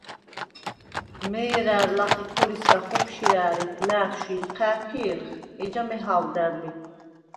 მე̄რა̈რ ლახე ქორისგა ხოფშირა ა̈რიხ ლა̄̈თშვ ი იჴა̄̈ფიე̄ლხ, ეჯა მეჰა̄ვდარ ლი.